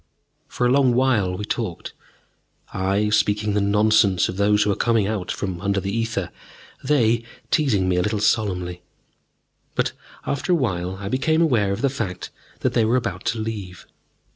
For a long while we talked, I speaking the nonsense of those who are coming out from under ether, they teasing me a little solemnly. But after a little while I became aware of the fact that they were about to leave.